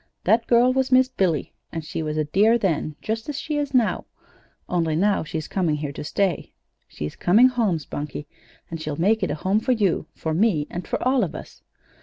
That girl was Miss Billy, and she was a dear then, just as she is now, only now she's coming here to stay. She's coming home, Spunkie; and she'll make it a home for you, for me, and for all of us.